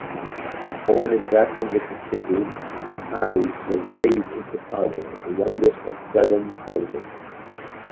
Born in Jackson, Mississippi, Khali was raised in Chicago, the youngest of seven children.